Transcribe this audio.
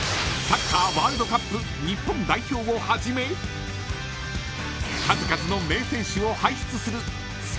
［サッカーワールドカップ日本代表をはじめ数々の名選手を輩出する］